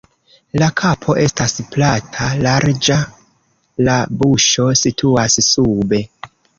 La kapo estas plata, larĝa, la buŝo situas sube.